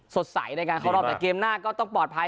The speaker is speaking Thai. สดใสในการเข้ารอบแต่เกมหน้าก็ต้องปลอดภัย